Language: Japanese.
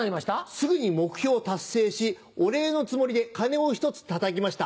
すぐに目標達成しお礼のつもりで鐘をひとつたたきました。